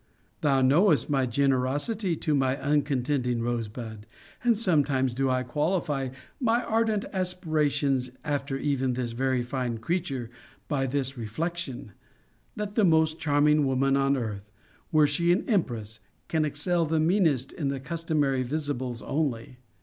Thou knowest my generosity to my uncontending Rosebud and sometimes do I qualify my ardent aspirations after even this very fine creature, by this reflection: That the most charming woman on earth, were she an empress, can excel the meanest in the customary visibles only.